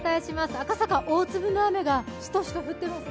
赤坂、大粒の雨がしとしと降っていますね。